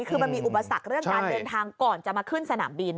คือมันมีอุปสรรคเรื่องการเดินทางก่อนจะมาขึ้นสนามบิน